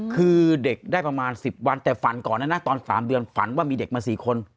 คือเด็กได้ประมาณ๑๐วันแต่ฝันก่อนนะตอน๓เดือนฝันว่ามีเด็กมา๔คน